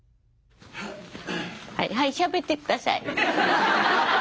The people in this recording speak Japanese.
はいしゃべって下さい。